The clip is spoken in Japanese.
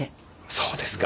そうですか。